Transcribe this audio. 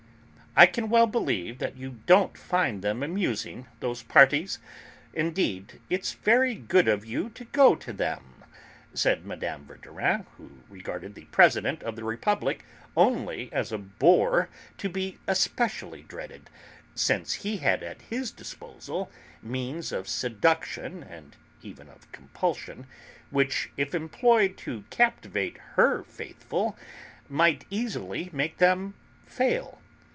"I can well believe you don't find them amusing, those parties; indeed, it's very good of you to go to them!" said Mme. Verdurin, who regarded the President of the Republic only as a 'bore' to be especially dreaded, since he had at his disposal means of seduction, and even of compulsion, which, if employed to captivate her 'faithful,' might easily make them 'fail.'